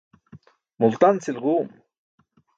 Multan cʰilġuum.